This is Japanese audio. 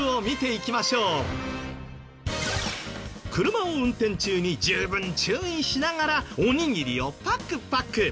車を運転中に十分注意しながらおにぎりをパクパク。